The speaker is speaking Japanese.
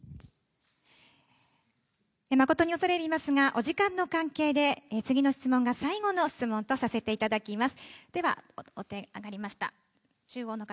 誠に恐れ入りますがお時間の関係で、次の質問が最後の質問とさせていただきます。